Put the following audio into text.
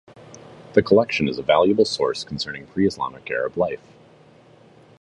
The collection is a valuable source concerning pre-Islamic Arab life.